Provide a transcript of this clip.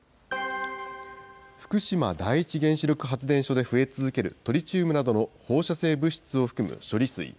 福島第一原子力発電所で増え続けるトリチウムなどの放射性物質を含む処理水。